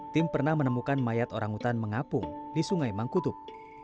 tim pernah menemukan mayat orangutan mengapung di sungai mangkutub